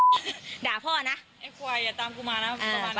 เขาไปยืนอยู่หน้าร้าน